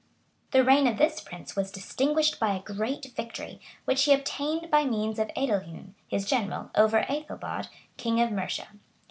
The reign of this prince was distinguished by a great victory, which he obtained by means of Edelhun, his general, over Ethelbald, king of Mercia.